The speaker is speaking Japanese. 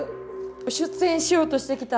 出演しようとしてきた。